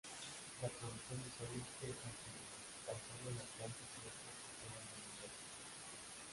La producción de Solis es amplísima; tan sólo las planchas sueltas superan el millar.